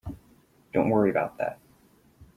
Don't worry about that.